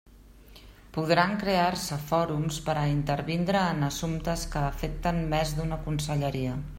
Podran crear-se fòrums per a intervindre en assumptes que afecten més d'una conselleria.